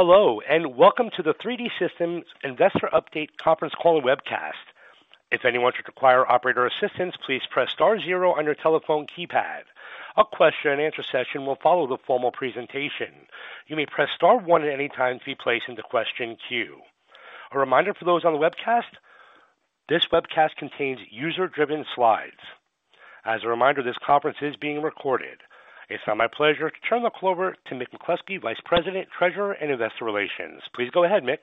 Hello, welcome to the 3D Systems Investor Update conference call and webcast. If anyone should require operator assistance, please press star zero on your telephone keypad. A question and answer session will follow the formal presentation. You may press star one at any time to be placed in the question queue. A reminder for those on the webcast, this webcast contains user-driven slides. As a reminder, this conference is being recorded. It's now my pleasure to turn the call over to Mick McCloskey, Vice President, Treasurer, and Investor Relations. Please go ahead, Mick.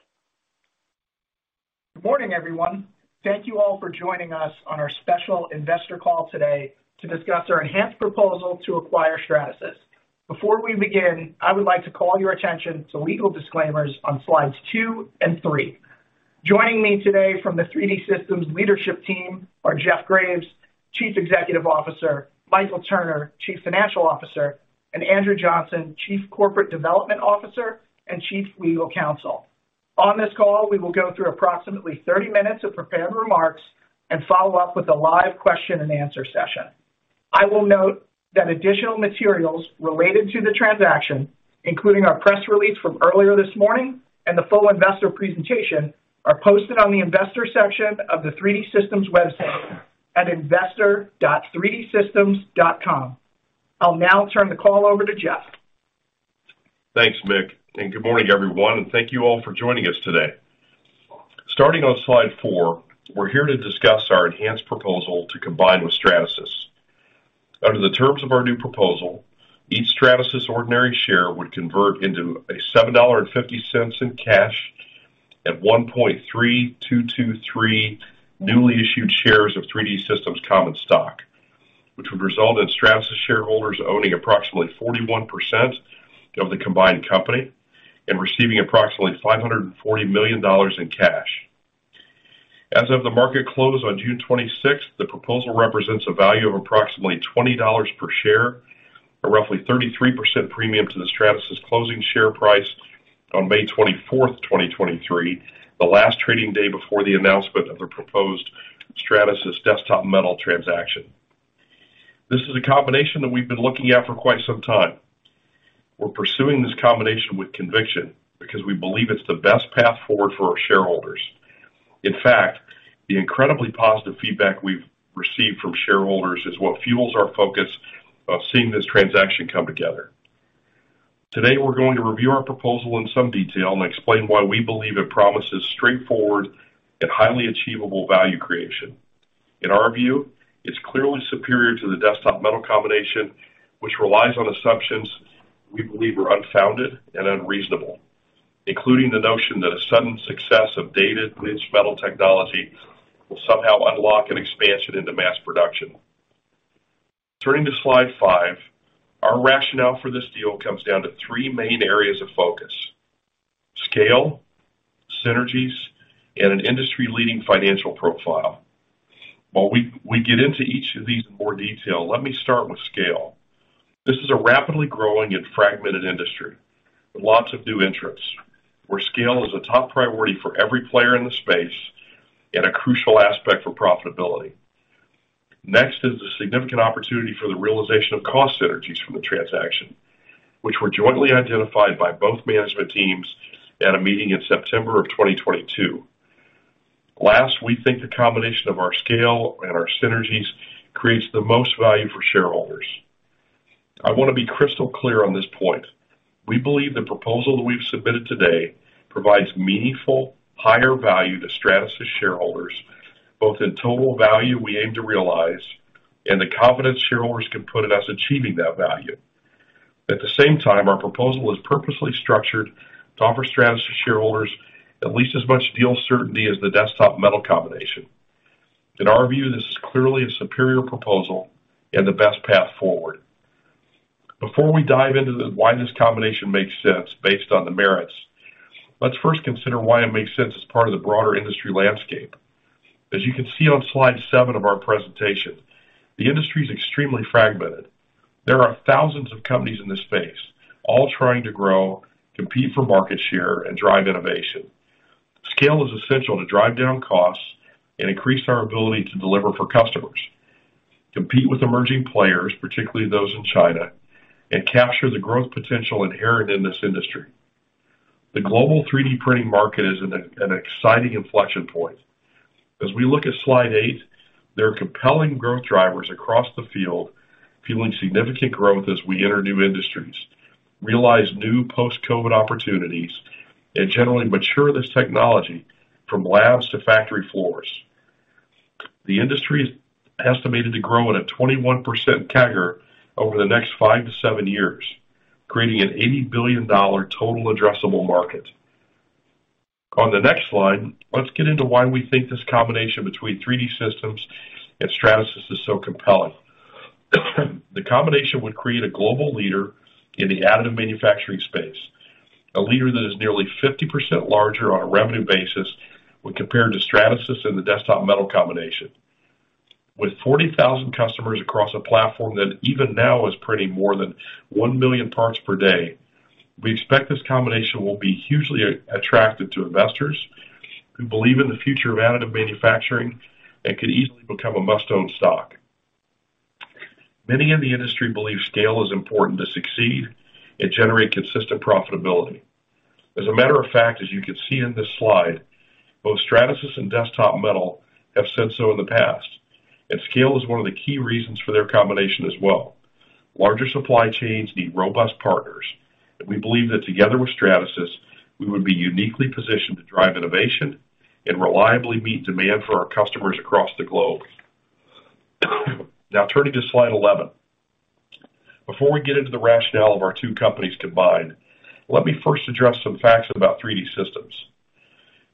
Good morning, everyone. Thank you all for joining us on our special investor call today to discuss our enhanced proposal to acquire Stratasys. Before we begin, I would like to call your attention to legal disclaimers on slides two and three. Joining me today from the 3D Systems leadership team are Jeff Graves, Chief Executive Officer, Michael Turner, Chief Financial Officer, and Andrew Johnson, Chief Corporate Development Officer and Chief Legal Counsel. On this call, we will go through approximately 30 minutes of prepared remarks and follow up with a live question and answer session. I will note that additional materials related to the transaction, including our press release from earlier this morning and the full investor presentation, are posted on the investor section of the 3D Systems website at investor.3dsystems.com. I'll now turn the call over to Jeff. Thanks, Mick. Good morning, everyone, and thank you all for joining us today. Starting on slide four, we're here to discuss our enhanced proposal to combine with Stratasys. Under the terms of our new proposal, each Stratasys ordinary share would convert into a $7.50 in cash at 1.3223 newly issued shares of 3D Systems common stock, which would result in Stratasys shareholders owning approximately 41% of the combined company and receiving approximately $540 million in cash. As of the market close on June 26th, the proposal represents a value of approximately $20 per share, a roughly 33% premium to the Stratasys closing share price on May 24th, 2023, the last trading day before the announcement of the proposed Stratasys Desktop Metal transaction. This is a combination that we've been looking at for quite some time. We're pursuing this combination with conviction because we believe it's the best path forward for our shareholders. In fact, the incredibly positive feedback we've received from shareholders is what fuels our focus of seeing this transaction come together. Today, we're going to review our proposal in some detail and explain why we believe it promises straightforward and highly achievable value creation. In our view, it's clearly superior to the Desktop Metal combination, which relies on assumptions we believe are unfounded and unreasonable, including the notion that a sudden success of dated niche metal technology will somehow unlock an expansion into mass production. Turning to slide five, our rationale for this deal comes down to three main areas of focus: scale, synergies, and an industry-leading financial profile. While we get into each of these in more detail, let me start with scale. This is a rapidly growing and fragmented industry with lots of new interests, where scale is a top priority for every player in the space and a crucial aspect for profitability. Next is the significant opportunity for the realization of cost synergies from the transaction, which were jointly identified by both management teams at a meeting in September of 2022. Last, we think the combination of our scale and our synergies creates the most value for shareholders. I want to be crystal clear on this point. We believe the proposal that we've submitted today provides meaningful, higher value to Stratasys shareholders, both in total value we aim to realize and the confidence shareholders can put in us achieving that value. At the same time, our proposal is purposely structured to offer Stratasys shareholders at least as much deal certainty as the Desktop Metal combination. In our view, this is clearly a superior proposal and the best path forward. Before we dive into the why this combination makes sense based on the merits, let's first consider why it makes sense as part of the broader industry landscape. As you can see on slide seven of our presentation, the industry is extremely fragmented. There are thousands of companies in this space, all trying to grow, compete for market share, and drive innovation. Scale is essential to drive down costs and increase our ability to deliver for customers, compete with emerging players, particularly those in China, and capture the growth potential inherent in this industry. The global 3D printing market is at an exciting inflection point. As we look at slide eight, there are compelling growth drivers across the field, fueling significant growth as we enter new industries, realize new post-COVID opportunities, and generally mature this technology from labs to factory floors. The industry is estimated to grow at a 21% CAGR over the next 5 years to 7 years, creating an $80 billion total addressable market. On the next slide, let's get into why we think this combination between 3D Systems and Stratasys is so compelling. The combination would create a global leader in the additive manufacturing space, a leader that is nearly 50% larger on a revenue basis when compared to Stratasys and the Desktop Metal combination. With 40,000 customers across a platform that even now is printing more than 1 million parts per day, we expect this combination will be hugely attractive to investors who believe in the future of additive manufacturing and could easily become a must-own stock. Many in the industry believe scale is important to succeed and generate consistent profitability. As a matter of fact, as you can see in this slide, both Stratasys and Desktop Metal have said so in the past, and scale is one of the key reasons for their combination as well. Larger supply chains need robust partners, and we believe that together with Stratasys, we would be uniquely positioned to drive innovation and reliably meet demand for our customers across the globe. Turning to slide 11. Before we get into the rationale of our two companies combined, let me first address some facts about 3D Systems.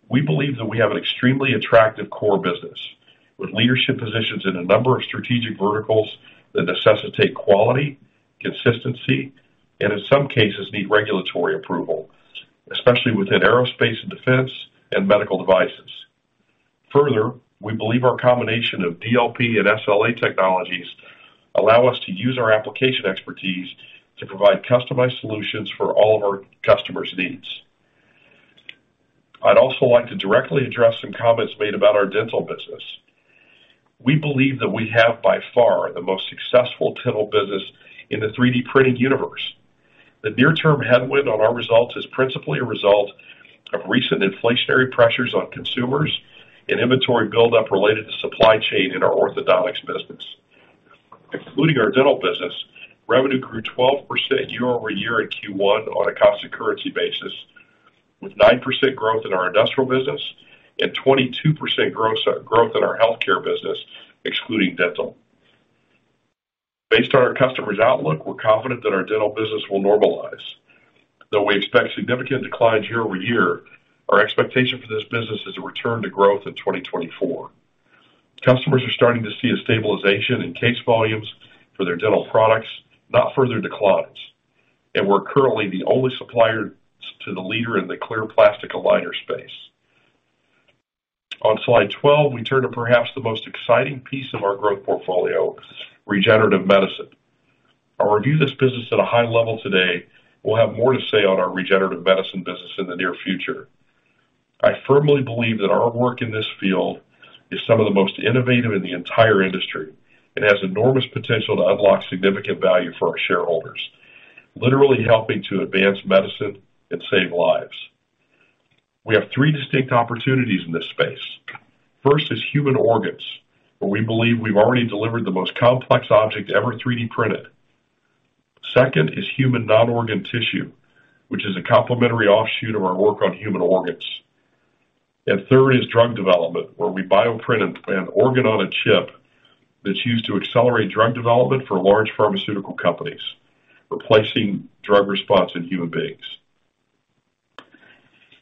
We believe that we have an extremely attractive core business, with leadership positions in a number of strategic verticals that necessitate quality, consistency, and in some cases, need regulatory approval, especially within aerospace and defense, and medical devices. We believe our combination of DLP and SLA technologies allow us to use our application expertise to provide customized solutions for all of our customers' needs. I'd also like to directly address some comments made about our dental business. We believe that we have, by far, the most successful dental business in the 3D printing universe. The near-term headwind on our results is principally a result of recent inflationary pressures on consumers and inventory buildup related to supply chain in our orthodontics business. Including our dental business, revenue grew 12% year-over-year in Q1 on a constant currency basis, with 9% growth in our industrial business and 22% gross growth in our Healthcare business, excluding dental. Based on our customers' outlook, we're confident that our dental business will normalize. Though we expect significant declines year-over-year, our expectation for this business is a return to growth in 2024. Customers are starting to see a stabilization in case volumes for their dental products, not further declines, and we're currently the only supplier to the leader in the clear aligner space. On slide 12, we turn to perhaps the most exciting piece of our growth portfolio, Regenerative Medicine. I'll review this business at a high level today. We'll have more to say on our Regenerative Medicine business in the near future. I firmly believe that our work in this field is some of the most innovative in the entire industry, and has enormous potential to unlock significant value for our shareholders, literally helping to advance medicine and save lives. We have three distinct opportunities in this space. First is human organs, where we believe we've already delivered the most complex object ever 3D printed. Second is human non-organ tissue, which is a complementary offshoot of our work on human organs. Third is drug development, where we bioprint an organ on a chip that's used to accelerate drug development for large pharmaceutical companies, replacing drug response in human beings.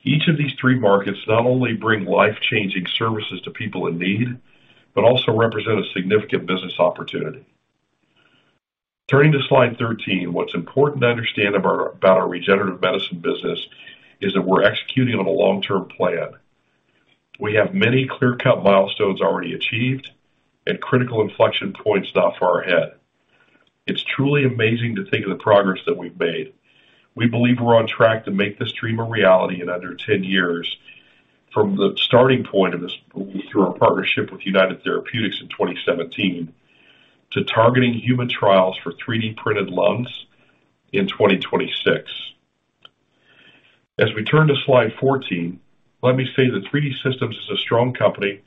Each of these three markets not only bring life-changing services to people in need, but also represent a significant business opportunity. Turning to slide 13, what's important to understand about our Regenerative Medicine business is that we're executing on a long-term plan. We have many clear-cut milestones already achieved and critical inflection points not far ahead. It's truly amazing to think of the progress that we've made. We believe we're on track to make this dream a reality in under 10 years, from the starting point of this, through our partnership with United Therapeutics in 2017, to targeting human trials for 3D printed lungs in 2026. We turn to slide 14, let me say that 3D Systems is a strong company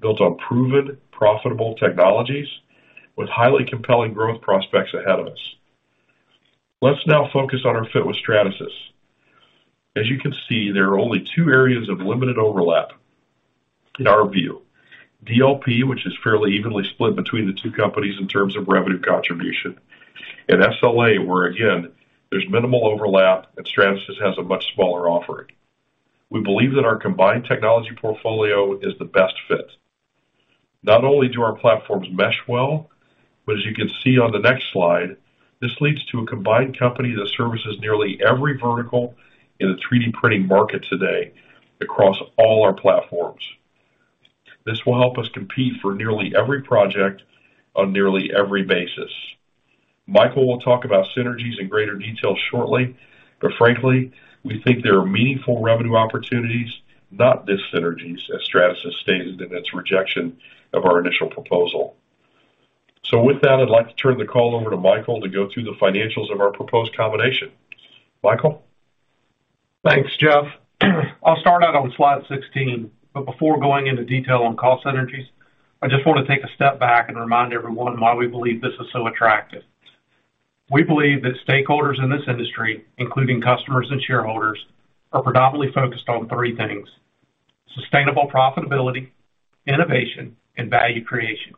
built on proven, profitable technologies with highly compelling growth prospects ahead of us. Let's now focus on our fit with Stratasys. As you can see, there are only two areas of limited overlap in our view. DLP, which is fairly evenly split between the two companies in terms of revenue contribution, and SLA, where again, there's minimal overlap and Stratasys has a much smaller offering. We believe that our combined technology portfolio is the best fit. Not only do our platforms mesh well, but as you can see on the next slide, this leads to a combined company that services nearly every vertical in the 3D printing market today across all our platforms. This will help us compete for nearly every project on nearly every basis. Michael will talk about synergies in greater detail shortly, but frankly, we think there are meaningful revenue opportunities, not dis-synergies, as Stratasys stated in its rejection of our initial proposal. With that, I'd like to turn the call over to Michael to go through the financials of our proposed combination. Michael? Thanks, Jeff. I'll start out on slide 16, before going into detail on cost synergies, I just want to take a step back and remind everyone why we believe this is so attractive. We believe that stakeholders in this industry, including customers and shareholders, are predominantly focused on three things: sustainable profitability, innovation, and value creation.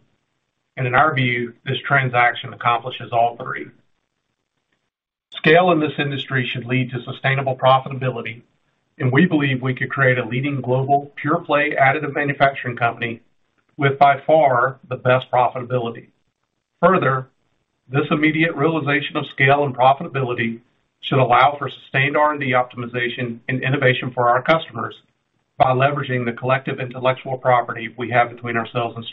In our view, this transaction accomplishes all three. Scale in this industry should lead to sustainable profitability, we believe we could create a leading global pure-play additive manufacturing company with, by far, the best profitability. Further, this immediate realization of scale and profitability should allow for sustained R&D optimization and innovation for our customers by leveraging the collective intellectual property we have between ourselves and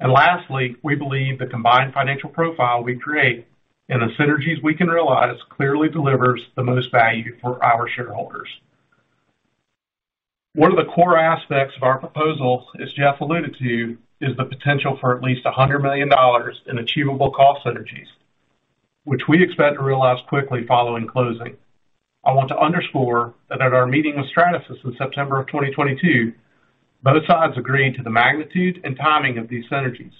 Stratasys. Lastly, we believe the combined financial profile we create and the synergies we can realize clearly delivers the most value for our shareholders. One of the core aspects of our proposal, as Jeff alluded to, is the potential for at least $100 million in achievable cost synergies, which we expect to realize quickly following closing. I want to underscore that at our meeting with Stratasys in September of 2022, both sides agreed to the magnitude and timing of these synergies.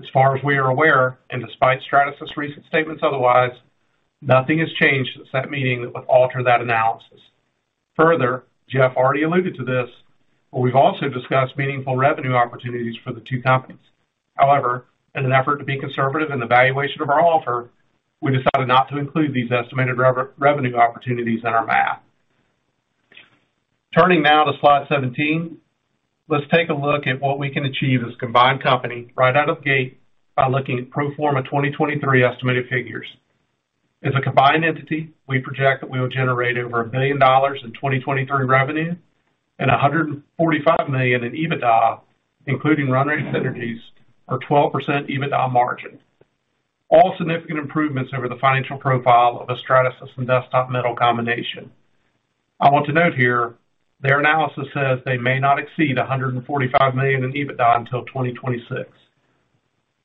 As far as we are aware, and despite Stratasys recent statements otherwise, nothing has changed since that meeting that would alter that analysis. Further, Jeff already alluded to this, but we've also discussed meaningful revenue opportunities for the two companies. However, in an effort to be conservative in the valuation of our offer, we decided not to include these estimated revenue opportunities in our math. Turning now to slide 17, let's take a look at what we can achieve as a combined company right out of the gate by looking at pro forma 2023 estimated figures. As a combined entity, we project that we will generate over $1 billion in 2023 revenue and $145 million in EBITDA, including run rate synergies, or 12% EBITDA margin. All significant improvements over the financial profile of a Stratasys and Desktop Metal combination. I want to note here, their analysis says they may not exceed $145 million in EBITDA until 2026.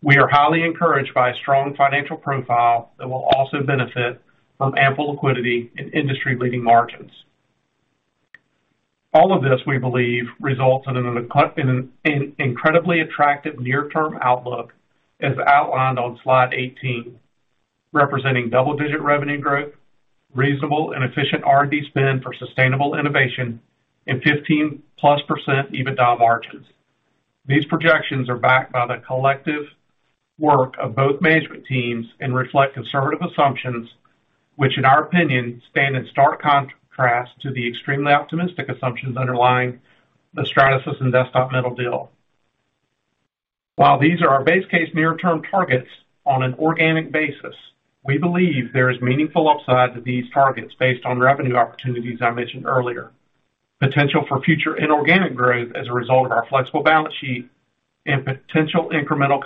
We are highly encouraged by a strong financial profile that will also benefit from ample liquidity and industry-leading margins. All of this, we believe, results in an incredibly attractive near-term outlook, as outlined on slide 18, representing double-digit revenue growth, reasonable and efficient R&D spend for sustainable innovation, and 15+% EBITDA margins. These projections are backed by the collective work of both management teams and reflect conservative assumptions, which in our opinion, stand in stark contrast to the extremely optimistic assumptions underlying the Stratasys and Desktop Metal deal. While these are our base case near-term targets on an organic basis, we believe there is meaningful upside to these targets based on revenue opportunities I mentioned earlier. Potential for future inorganic growth as a result of our flexible balance sheet and potential incremental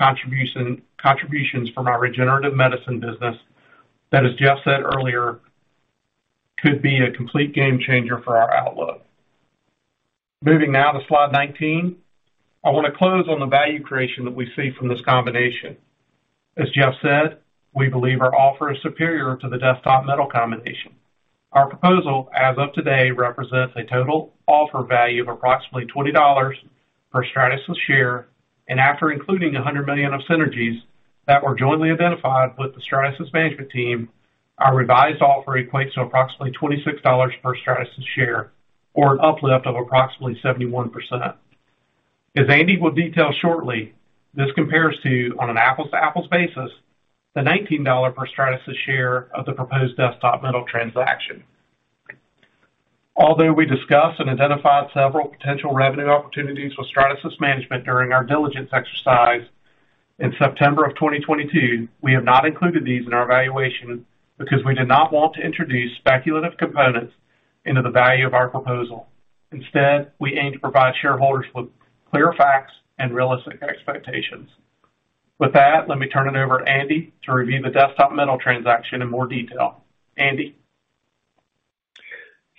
contributions from our Regenerative Medicine business that, as Jeff said earlier, could be a complete game changer for our outlook. Moving now to slide 19. I want to close on the value creation that we see from this combination. As Jeff said, we believe our offer is superior to the Desktop Metal combination. Our proposal, as of today, represents a total offer value of approximately $20 per Stratasys share, and after including $100 million of synergies that were jointly identified with the Stratasys management team, our revised offer equates to approximately $26 per Stratasys share, or an uplift of approximately 71%. As Andy will detail shortly, this compares to, on an apples-to-apples basis, the $19 per Stratasys share of the proposed Desktop Metal transaction. Although we discussed and identified several potential revenue opportunities with Stratasys management during our diligence exercise in September 2022, we have not included these in our valuation because we did not want to introduce speculative components into the value of our proposal. Instead, we aim to provide shareholders with clear facts and realistic expectations. With that, let me turn it over to Andy to review the Desktop Metal transaction in more detail. Andy?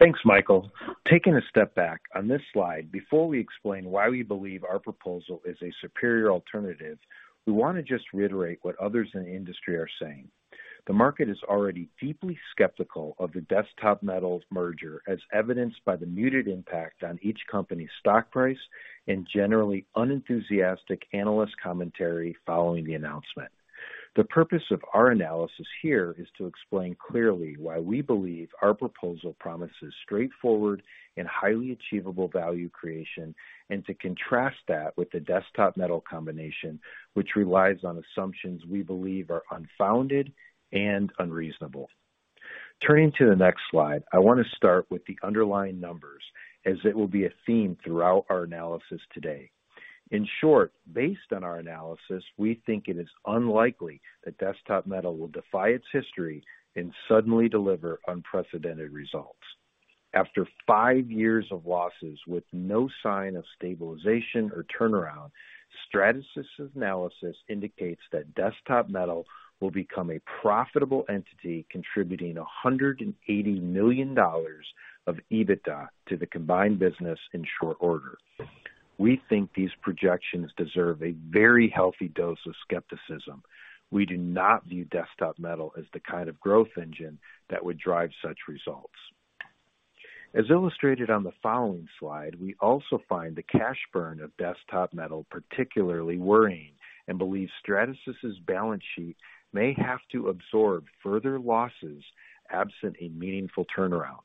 Thanks, Michael. Taking a step back, on this slide, before we explain why we believe our proposal is a superior alternative, we want to just reiterate what others in the industry are saying. The market is already deeply skeptical of the Desktop Metal merger, as evidenced by the muted impact on each company's stock price and generally unenthusiastic analyst commentary following the announcement. The purpose of our analysis here is to explain clearly why we believe our proposal promises straightforward and highly achievable value creation, and to contrast that with the Desktop Metal combination, which relies on assumptions we believe are unfounded and unreasonable. Turning to the next slide, I want to start with the underlying numbers, as it will be a theme throughout our analysis today. In short, based on our analysis, we think it is unlikely that Desktop Metal will defy its history and suddenly deliver unprecedented results. After five years of losses with no sign of stabilization or turnaround, Stratasys' analysis indicates that Desktop Metal will become a profitable entity, contributing $180 million of EBITDA to the combined business in short order. We think these projections deserve a very healthy dose of skepticism. We do not view Desktop Metal as the kind of growth engine that would drive such results. As illustrated on the following slide, we also find the cash burn of Desktop Metal particularly worrying and believe Stratasys' balance sheet may have to absorb further losses, absent a meaningful turnaround.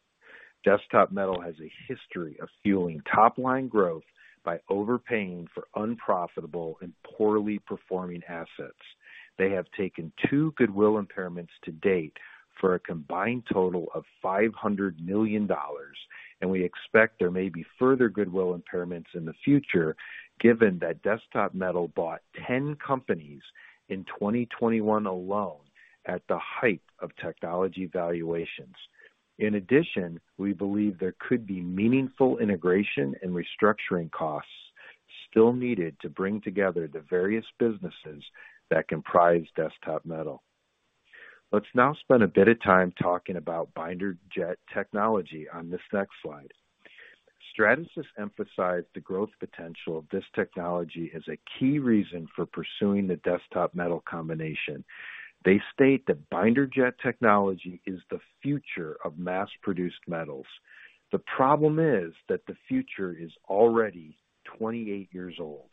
Desktop Metal has a history of fueling top-line growth by overpaying for unprofitable and poorly performing assets. They have taken two goodwill impairments to date for a combined total of $500 million. We expect there may be further goodwill impairments in the future, given that Desktop Metal bought 10 companies in 2021 alone, at the height of technology valuations. In addition, we believe there could be meaningful integration and restructuring costs still needed to bring together the various businesses that comprise Desktop Metal. Let's now spend a bit of time talking about binder jet technology on this next slide. Stratasys emphasized the growth potential of this technology as a key reason for pursuing the Desktop Metal combination. They state that binder jet technology is the future of mass-produced metals. The problem is that the future is already 28 years old.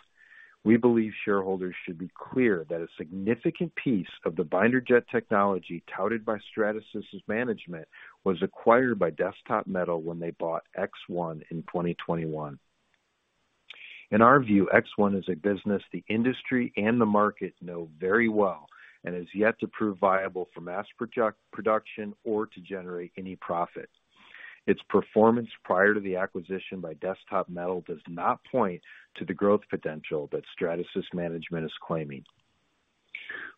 We believe shareholders should be clear that a significant piece of the binder jet technology touted by Stratasys' management was acquired by Desktop Metal when they bought ExOne in 2021. In our view, ExOne is a business the industry and the market know very well and has yet to prove viable for mass production or to generate any profit. Its performance prior to the acquisition by Desktop Metal does not point to the growth potential that Stratasys' management is claiming.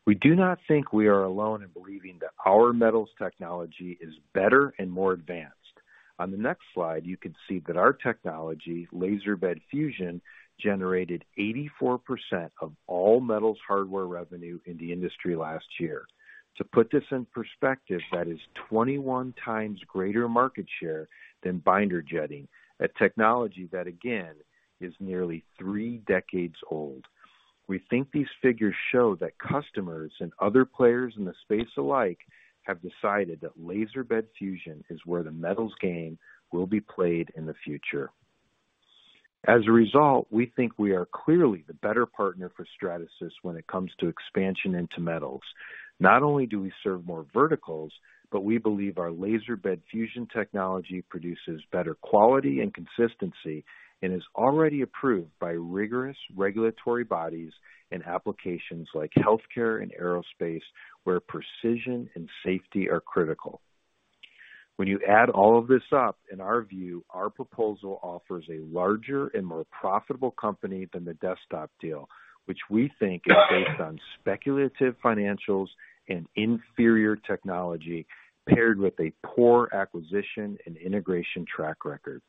We do not think we are alone in believing that our metals technology is better and more advanced. On the next slide, you can see that our technology, laser bed fusion, generated 84% of all metals hardware revenue in the industry last year. To put this in perspective, that is 21 times greater market share than binder jetting, a technology that, again, is nearly 3 decades old. We think these figures show that customers and other players in the space alike have decided that laser bed fusion is where the metals game will be played in the future. We think we are clearly the better partner for Stratasys when it comes to expansion into metals. Not only do we serve more verticals, but we believe our laser bed fusion technology produces better quality and consistency and is already approved by rigorous regulatory bodies in applications like healthcare and aerospace, where precision and safety are critical. When you add all of this up, in our view, our proposal offers a larger and more profitable company than the Desktop deal, which we think is based on speculative financials and inferior technology, paired with a poor acquisition and integration track record.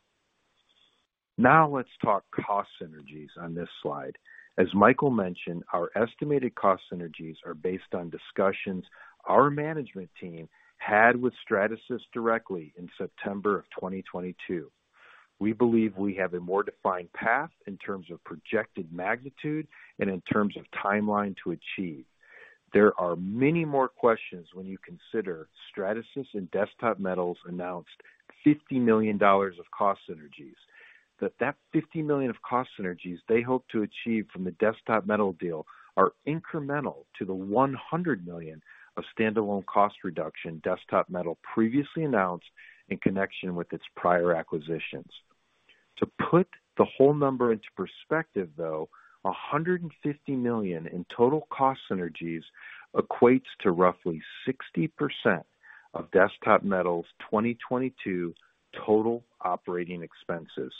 Let's talk cost synergies on this slide. As Michael mentioned, our estimated cost synergies are based on discussions our management team had with Stratasys directly in September of 2022. We believe we have a more defined path in terms of projected magnitude and in terms of timeline to achieve. There are many more questions when you consider Stratasys and Desktop Metal announced $50 million of cost synergies. That $50 million of cost synergies they hope to achieve from the Desktop Metal deal are incremental to the $100 million of standalone cost reduction Desktop Metal previously announced in connection with its prior acquisitions. To put the whole number into perspective, though, $150 million in total cost synergies equates to roughly 60% of Desktop Metal's 2022 total operating expenses.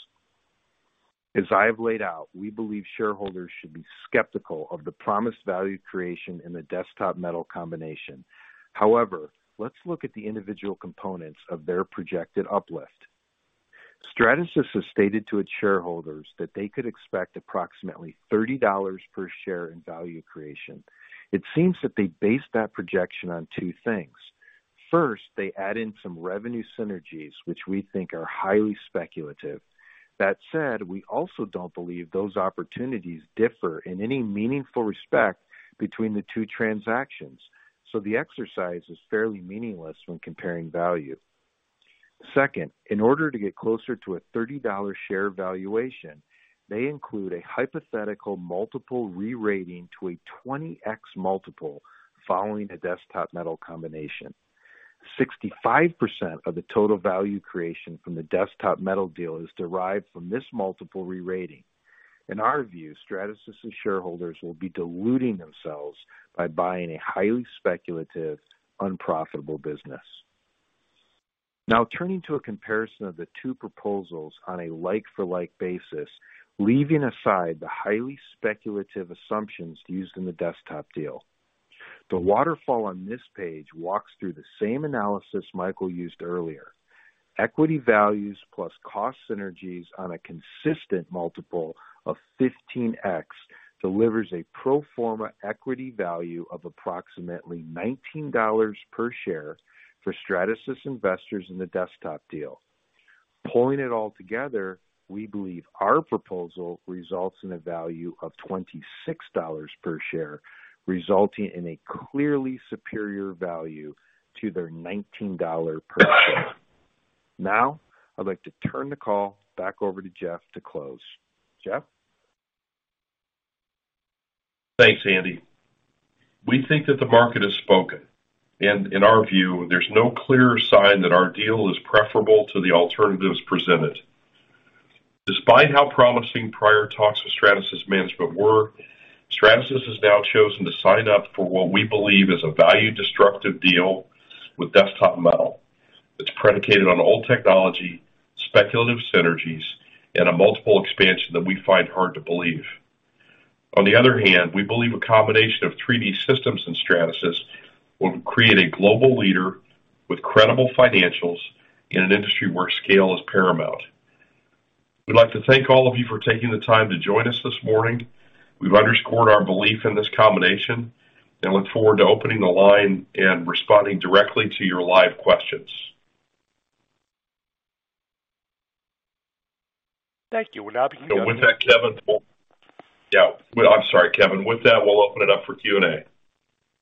As I have laid out, we believe shareholders should be skeptical of the promised value creation in the Desktop Metal combination. Let's look at the individual components of their projected uplift. Stratasys has stated to its shareholders that they could expect approximately $30 per share in value creation. It seems that they based that projection on two things. They add in some revenue synergies, which we think are highly speculative. That said, we also don't believe those opportunities differ in any meaningful respect between the two transactions, so the exercise is fairly meaningless when comparing value. In order to get closer to a $30 share valuation, they include a hypothetical multiple re-rating to a 20x multiple following a Desktop Metal combination. 65% of the total value creation from the Desktop Metal deal is derived from this multiple re-rating. In our view, Stratasys shareholders will be diluting themselves by buying a highly speculative, unprofitable business. Now, turning to a comparison of the two proposals on a like-for-like basis, leaving aside the highly speculative assumptions used in the Desktop deal. The waterfall on this page walks through the same analysis Michael used earlier. Equity values plus cost synergies on a consistent multiple of 15x delivers a pro forma equity value of approximately $19 per share for Stratasys investors in the Desktop deal. Pulling it all together, we believe our proposal results in a value of $26 per share, resulting in a clearly superior value to their $19 per share. Now, I'd like to turn the call back over to Jeff to close. Jeff? Thanks, Andy. We think that the market has spoken, and in our view, there's no clearer sign that our deal is preferable to the alternatives presented. Despite how promising prior talks with Stratasys' management were, Stratasys has now chosen to sign up for what we believe is a value-destructive deal with Desktop Metal that's predicated on old technology, speculative synergies, and a multiple expansion that we find hard to believe. On the other hand, we believe a combination of 3D Systems and Stratasys will create a global leader with credible financials in an industry where scale is paramount. We'd like to thank all of you for taking the time to join us this morning. We've underscored our belief in this combination and look forward to opening the line and responding directly to your live questions. Thank you. With that, Kevin, With that, we'll open it up for Q&A.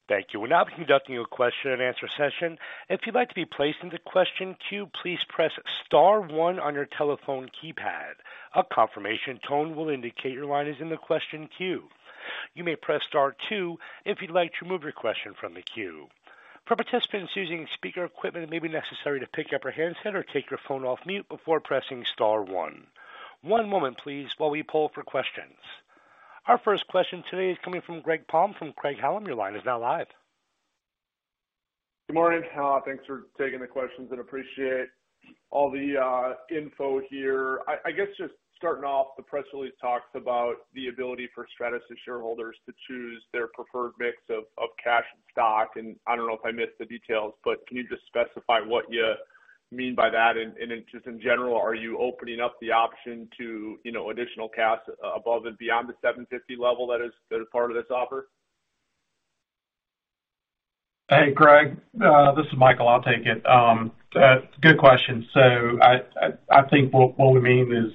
Thank you. We'll now be conducting a question-and-answer session. If you'd like to be placed in the question queue, please press star one on your telephone keypad. A confirmation tone will indicate your line is in the question queue. You may press star two if you'd like to remove your question from the queue. For participants using speaker equipment, it may be necessary to pick up your handset or take your phone off mute before pressing star one. One moment, please, while we poll for questions. Our first question today is coming from Greg Palm from Craig-Hallum. Your line is now live. Good morning. Thanks for taking the questions and appreciate all the info here. I guess, just starting off, the press release talks about the ability for Stratasys shareholders to choose their preferred mix of cash and stock, and I don't know if I missed the details, but can you just specify what you mean by that? Just in general, are you opening up the option to, you know, additional cash above and beyond the $750 level that is part of this offer? Hey, Greg, this is Michael. I'll take it. Good question. I think what we mean is,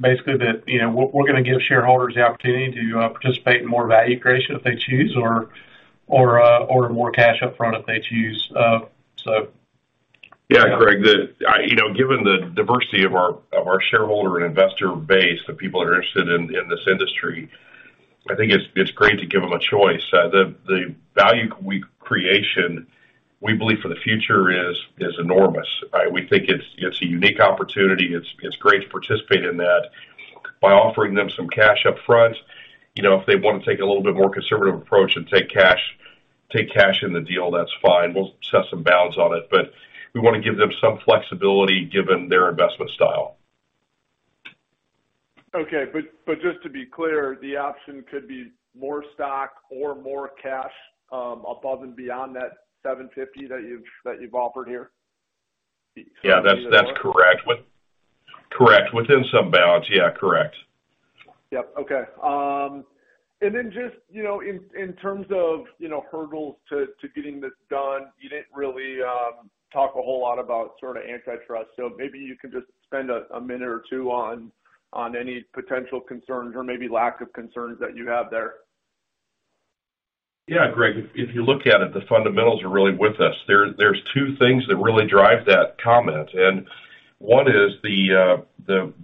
basically that, you know, we're gonna give shareholders the opportunity to participate in more value creation if they choose, or more cash upfront if they choose. Yeah, Greg, the, you know, given the diversity of our, of our shareholder and investor base, the people that are interested in this industry, I think it's great to give them a choice. The, the value we creation, we believe for the future is enormous, right? We think it's a unique opportunity. It's, it's great to participate in that by offering them some cash upfront. You know, if they wanna take a little bit more conservative approach and take cash in the deal, that's fine. We'll set some bounds on it, but we wanna give them some flexibility given their investment style. Just to be clear, the option could be more stock or more cash, above and beyond that $750 that you've offered here? Yeah, that's correct. Correct. Within some bounds, yeah, correct. Yep. Okay. Then just, you know, in terms of, you know, hurdles to getting this done, you didn't really talk a whole lot about sort of antitrust. Maybe you can just spend a minute or two on any potential concerns or maybe lack of concerns that you have there. Yeah, Greg, if you look at it, the fundamentals are really with us. There's two things that really drive that comment, and one is the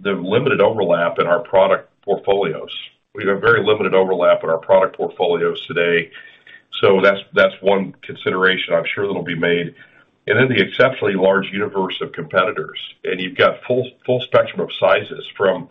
limited overlap in our product portfolios. We have very limited overlap in our product portfolios today, so that's one consideration I'm sure that'll be made. The exceptionally large universe of competitors, and you've got full spectrum of sizes, from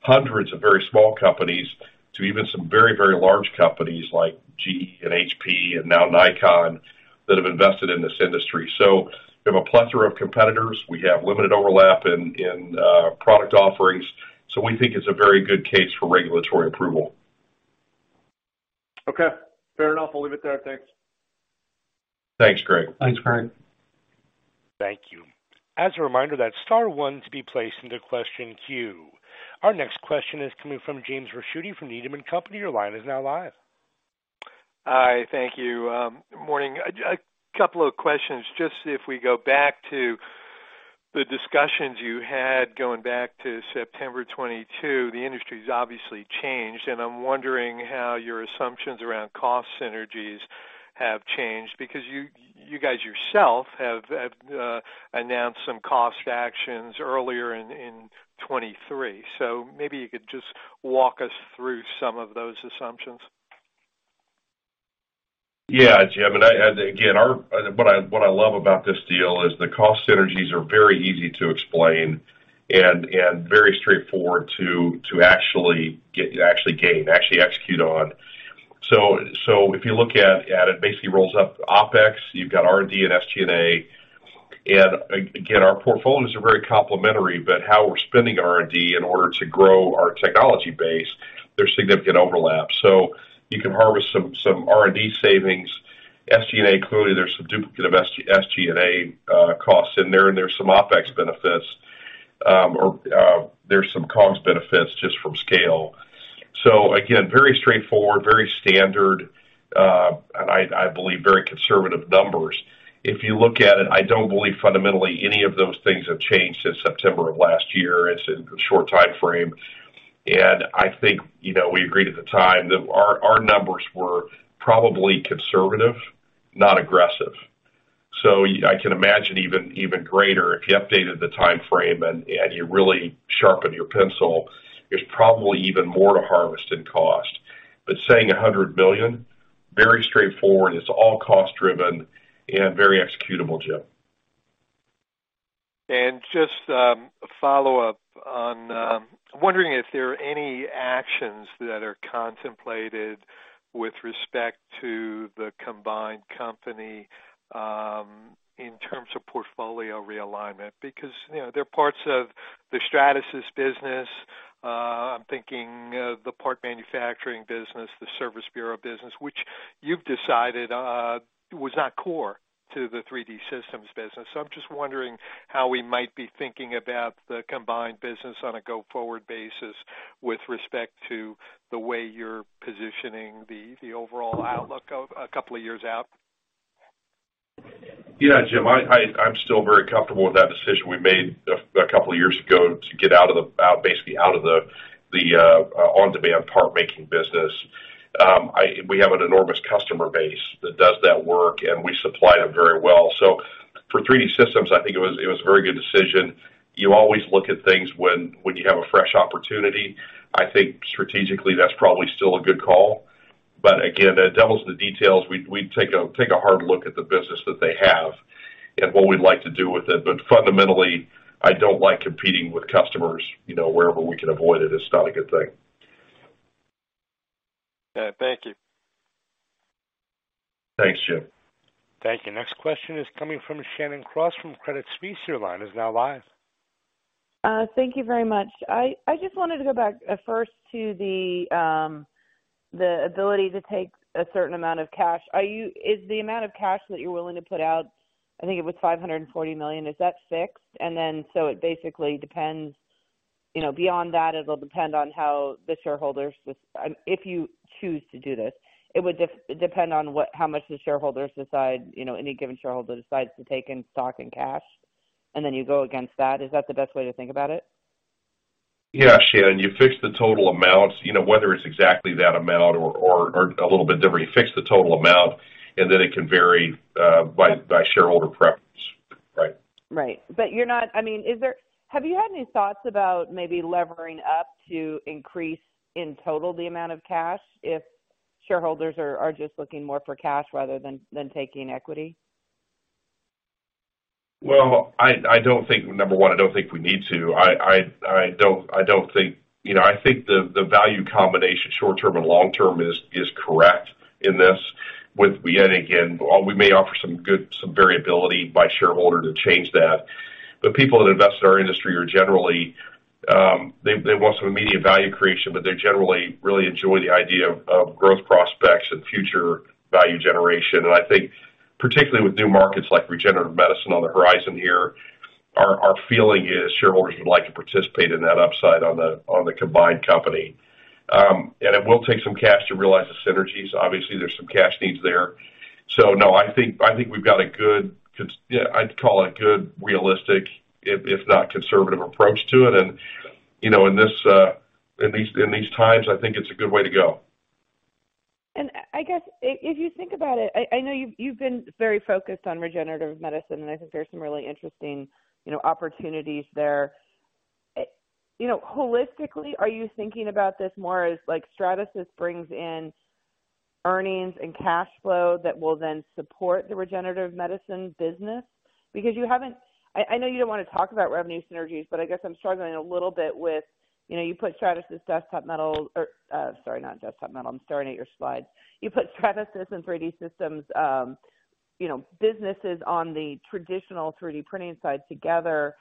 hundreds of very small companies to even some very, very large companies like GE and HP and now Nikon, that have invested in this industry. We have a plethora of competitors. We have limited overlap in product offerings, so we think it's a very good case for regulatory approval. Okay, fair enough. I'll leave it there. Thanks. Thanks, Greg. Thanks, Greg. Thank you. As a reminder, that's star one to be placed into question queue. Our next question is coming from James Ricchiuti from Needham & Company. Your line is now live. Hi, thank you. Good morning. A couple of questions. Just if we go back to the discussions you had going back to September 2022, the industry's obviously changed, and I'm wondering how your assumptions around cost synergies have changed because you guys yourself have announced some cost actions earlier in 2023. Maybe you could just walk us through some of those assumptions. Yeah, Jim, and I, again, our... What I, what I love about this deal is the cost synergies are very easy to explain and very straightforward to actually get, actually gain, actually execute on. If you look at it, basically rolls up OpEx, you've got R&D and SG&A. Again, our portfolios are very complementary, but how we're spending R&D in order to grow our technology base, there's significant overlap. You can harvest some R&D savings. SG&A, clearly, there's some duplicate of SG&A costs in there, and there's some OpEx benefits, or there's some costs benefits just from scale. Again, very straightforward, very standard, and I believe, very conservative numbers. If you look at it, I don't believe fundamentally any of those things have changed since September of last year. It's a short timeframe, I think, you know, we agreed at the time that our numbers were probably conservative, not aggressive. I can imagine even greater if you updated the timeframe and you really sharpened your pencil, there's probably even more to harvest in cost. Saying $100 million, very straightforward, it's all cost-driven and very executable, Jim. Just a follow-up on. I'm wondering if there are any actions that are contemplated with respect to the combined company, in terms of portfolio realignment, because, you know, there are parts of the Stratasys business.... I'm thinking, the part manufacturing business, the service bureau business, which you've decided, was not core to the 3D Systems business. I'm just wondering how we might be thinking about the combined business on a go-forward basis with respect to the way you're positioning the overall outlook of a couple of years out. Yeah, Jim, I'm still very comfortable with that decision we made a couple of years ago to get out of the basically out of the on-demand part making business. We have an enormous customer base that does that work, and we supply them very well. For 3D Systems, I think it was a very good decision. You always look at things when you have a fresh opportunity. I think strategically, that's probably still a good call. Again, the devil's in the details. We'd take a hard look at the business that they have and what we'd like to do with it. Fundamentally, I don't like competing with customers. You know, wherever we can avoid it's not a good thing. Thank you. Thanks, Jim. Thank you. Next question is coming from Shannon Cross from Credit Suisse. Your line is now live. Thank you very much. I just wanted to go back, first to the ability to take a certain amount of cash. Is the amount of cash that you're willing to put out, I think it was $540 million, is that fixed? It basically depends. You know, beyond that, it'll depend on how the shareholders, if you choose to do this, it would depend on how much the shareholders decide, you know, any given shareholder decides to take in stock and cash, and then you go against that. Is that the best way to think about it? Yeah, Shannon, you fix the total amount, you know, whether it's exactly that amount or a little bit different. You fix the total amount, and then it can vary by shareholder preference. Right. Right. I mean, Have you had any thoughts about maybe levering up to increase in total the amount of cash, if shareholders are just looking more for cash rather than taking equity? Well, I don't think, number one, I don't think we need to. I don't think. You know, I think the value combination, short term and long term is correct in this. With, yet again, we may offer some good variability by shareholder to change that. People that invest in our industry are generally, they want some immediate value creation, but they generally really enjoy the idea of growth prospects and future value generation. I think particularly with new markets like regenerative medicine on the horizon here, our feeling is shareholders would like to participate in that upside on the combined company. It will take some cash to realize the synergies. Obviously, there's some cash needs there. No, I think we've got a good yeah, I'd call it good, realistic, if not conservative approach to it. You know, in this, in these, in these times, I think it's a good way to go. I guess if you think about it, I know you've been very focused on Regenerative Medicine, and I think there are some really interesting, you know, opportunities there. You know, holistically, are you thinking about this more as like Stratasys brings in earnings and cash flow that will then support the Regenerative Medicine business? Because I know you don't want to talk about revenue synergies, but I guess I'm struggling a little bit with, you know, you put Stratasys, Desktop Metal, or, sorry, not Desktop Metal, I'm staring at your slides. You put Stratasys and 3D Systems, you know, businesses on the traditional 3D printing side together.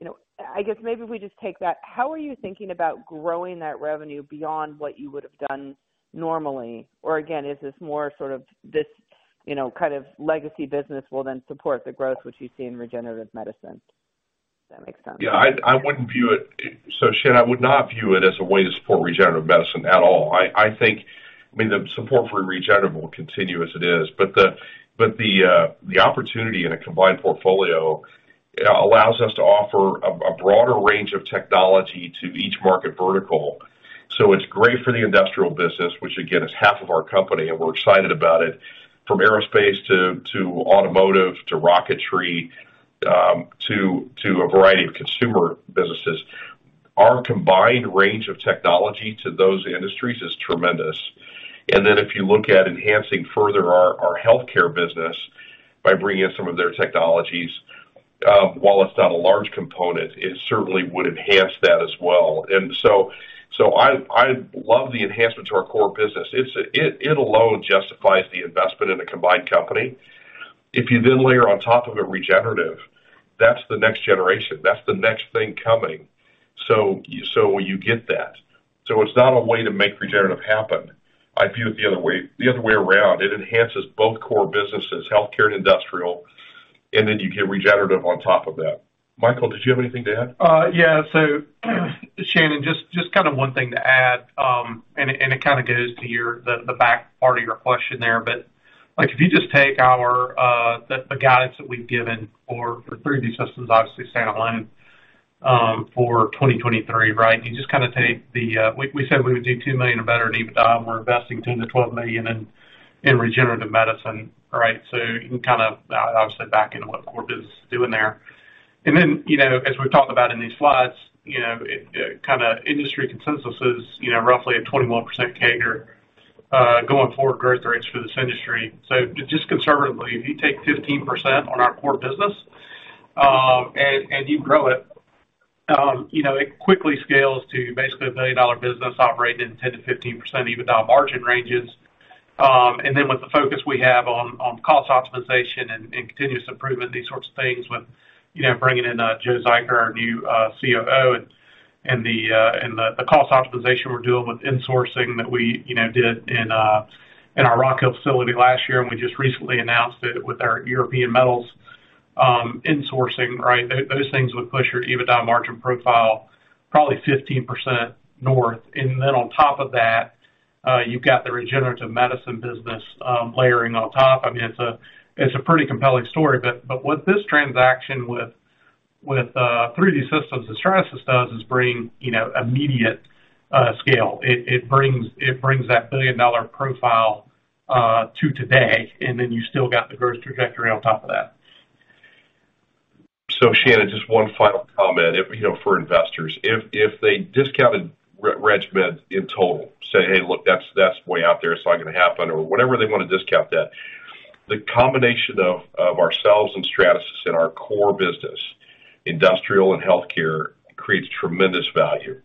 You know, I guess maybe if we just take that, how are you thinking about growing that revenue beyond what you would have done normally? Again, is this more sort of this, you know, kind of legacy business will then support the growth which you see in Regenerative Medicine, if that makes sense? Shannon, I would not view it as a way to support Regenerative Medicine at all. I think, I mean, the support for regenerative will continue as it is, but the opportunity in a combined portfolio allows us to offer a broader range of technology to each market vertical. It's great for the industrial business, which, again, is half of our company, and we're excited about it. From aerospace to automotive, to rocketry, to a variety of consumer businesses, our combined range of technology to those industries is tremendous. If you look at enhancing further our Healthcare business by bringing in some of their technologies, while it's not a large component, it certainly would enhance that as well. I love the enhancement to our core business. It alone justifies the investment in a combined company. If you layer on top of it, Regenerative, that's the next generation, that's the next thing coming. You get that. It's not a way to make Regenerative happen. I view it the other way around. It enhances both core businesses, healthcare and industrial, and you get regenerative on top of that. Michael, did you have anything to add? Yeah. Shannon, just kind of one thing to add, and it kind of goes to the back part of your question there, but, like, if you just take our the guidance that we've given for 3D Systems, obviously, standalone, for 2023, right? You just kind of take the... We said we would do $2 million or better in EBITDA. We're investing $10 million-$12 million in Regenerative Medicine, right? You can kind of, obviously, back into what core business is doing there. Then, you know, as we've talked about in these slides, you know, it kind of industry consensus is, you know, roughly a 21% CAGR going forward growth rates for this industry. Just conservatively, if you take 15% on our core business, and you grow it, you know, it quickly scales to basically a $1 billion-dollar business operating 10%-15% EBITDA margin ranges. With the focus we have on cost optimization and continuous improvement, these sorts of things, with, you know, bringing in Joe Zuiker, our new COO, and the cost optimization we're doing with insourcing that we, you know, did in our Rock Hill facility last year, and we just recently announced it with our European metals insourcing, right. Those things would push your EBITDA margin profile probably 15% north. On top of that, you've got the Regenerative Medicine business layering on top. I mean, it's a pretty compelling story. With this transaction with 3D Systems and Stratasys does, is bring, you know, immediate scale. It brings that billion-dollar profile to today, you still got the growth trajectory on top of that. Shannon, just one final comment. If, you know, for investors, if they discounted RegMed in total, say, "Hey, look, that's way out there. It's not going to happen," or whatever they want to discount that, the combination of ourselves and Stratasys in our core business, Industrial and Healthcare, creates tremendous value,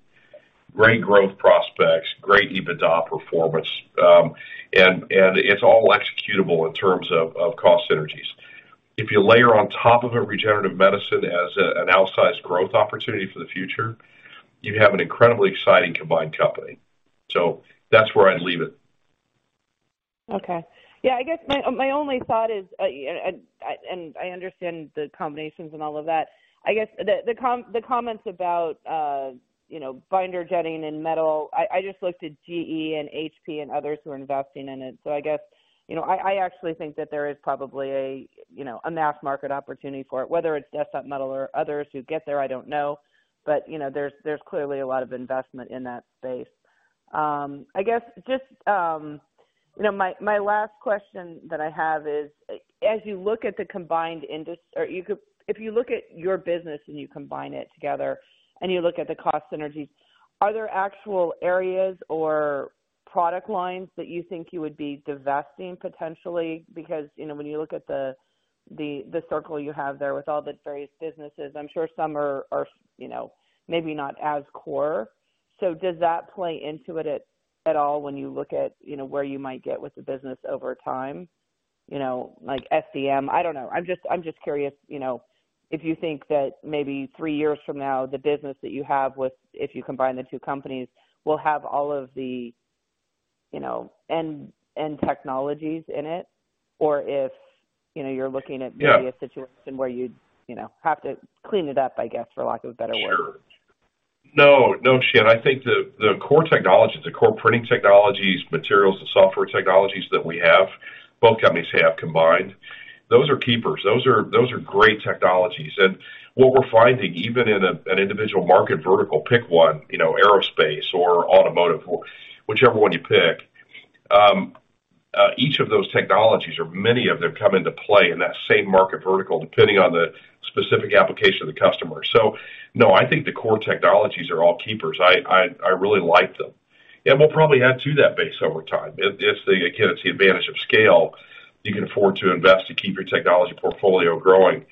great growth prospects, great EBITDA performance, and it's all executable in terms of cost synergies. If you layer on top of Regenerative Medicine as an outsized growth opportunity for the future, you have an incredibly exciting combined company. That's where I'd leave it. Okay. Yeah, I guess my only thought is, I understand the combinations and all of that. I guess the comments about, you know, binder jetting and metal, I just looked at GE and HP and others who are investing in it. I guess, you know, I actually think that there is probably a, you know, a mass market opportunity for it, whether it's Desktop Metal or others who get there, I don't know. You know, there's clearly a lot of investment in that space. I guess just, you know, my last question that I have is, as you look at the combined industry or you could... If you look at your business and you combine it together and you look at the cost synergies, are there actual areas or product lines that you think you would be divesting potentially? Because, you know, when you look at the circle you have there with all the various businesses, I'm sure some are, you know, maybe not as core. Does that play into it at all when you look at, you know, where you might get with the business over time? You know, like SCM, I don't know. I'm just curious, you know, if you think that maybe 3 years from now, the business that you have with, if you combine the two companies, will have all of the, you know, end technologies in it, or if, you know, you're looking at... Yeah... Maybe a situation where you'd, you know, have to clean it up, I guess, for lack of a better word. Sure. No, Shannon, I think the core technologies, the core printing technologies, materials, and software technologies that we have, both companies have combined, those are great technologies. What we're finding, even in a, an individual market vertical, pick one, you know, aerospace or automotive or whichever one you pick, each of those technologies or many of them come into play in that same market vertical, depending on the specific application of the customer. No, I think the core technologies are all keepers. I really like them. We'll probably add to that base over time. It's the... Again, it's the advantage of scale. You can afford to invest to keep your technology portfolio growing.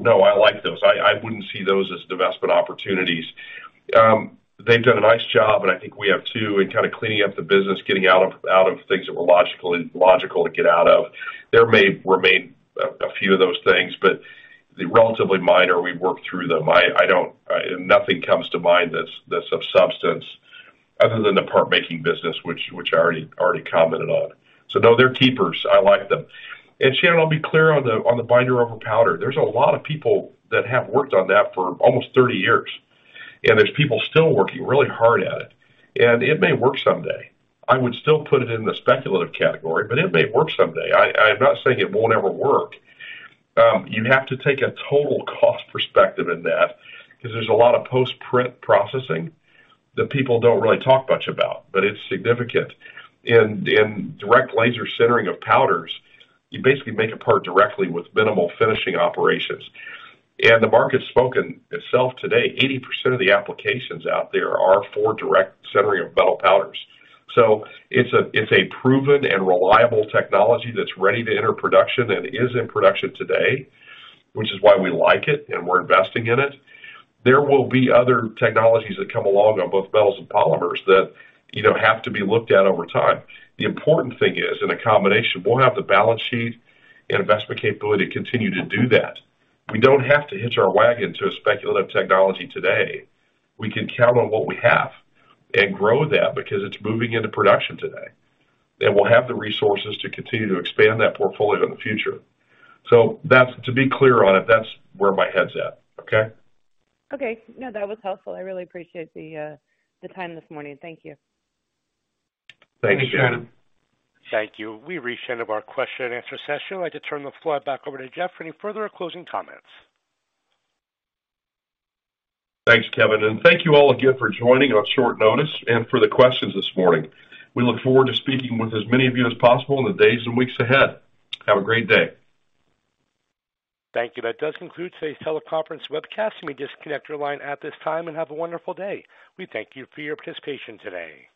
No, I like those. I wouldn't see those as divestment opportunities. They've done a nice job, and I think we have, too, in kind of cleaning up the business, getting out of things that were logical to get out of. There may remain a few of those things, but they're relatively minor. We've worked through them. I don't. Nothing comes to mind that's of substance, other than the part-making business, which I already commented on. No, they're keepers. I like them. Shannon, I'll be clear on the binder over powder. There's a lot of people that have worked on that for almost 30 years, and there's people still working really hard at it, and it may work someday. I would still put it in the speculative category, but it may work someday. I'm not saying it won't ever work. You have to take a total cost perspective in that, because there's a lot of post-print processing that people don't really talk much about, but it's significant. In direct laser sintering of powders, you basically make a part directly with minimal finishing operations. The market's spoken itself today. 80% of the applications out there are for direct sintering of metal powders. It's a proven and reliable technology that's ready to enter production and is in production today, which is why we like it, and we're investing in it. There will be other technologies that come along on both metals and polymers that, you know, have to be looked at over time. The important thing is, in a combination, we'll have the balance sheet and investment capability to continue to do that. We don't have to hitch our wagon to a speculative technology today. We can count on what we have and grow that because it's moving into production today, and we'll have the resources to continue to expand that portfolio in the future. That's, to be clear on it, that's where my head's at, okay? Okay. No, that was helpful. I really appreciate the time this morning. Thank you. Thanks, Shannon. Thank you. We've reached the end of our question and answer session. I'd like to turn the floor back over to Jeff for any further closing comments. Thanks, Kevin, and thank you all again for joining on short notice and for the questions this morning. We look forward to speaking with as many of you as possible in the days and weeks ahead. Have a great day. Thank you. That does conclude today's teleconference webcast. You may disconnect your line at this time, and have a wonderful day. We thank you for your participation today.